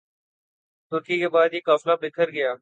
ترکی کے بعد یہ قافلہ بکھر گیا